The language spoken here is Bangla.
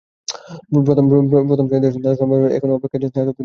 প্রথম শ্রেণিতে স্নাতক সম্পন্ন করে এখন অপেক্ষায় আছেন স্নাতকোত্তরের ফলাফলের জন্য।